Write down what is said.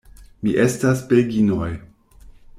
Mi estas belginoj.